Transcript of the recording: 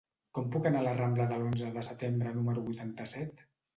Com puc anar a la rambla de l'Onze de Setembre número vuitanta-set?